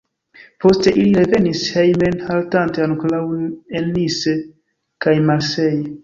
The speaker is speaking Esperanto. Poste ili revenis hejmen haltante ankoraŭ en Nice kaj Marseille.